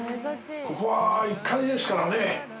ここは１階ですからね。